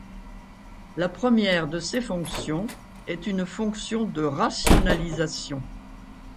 La première de ces fonctions est une fonction de rationalisation.